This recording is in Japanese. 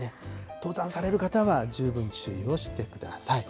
登山される方は十分注意をしてください。